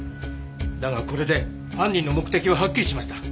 だがこれで犯人の目的ははっきりしました。